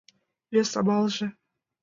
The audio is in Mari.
Вес амалже...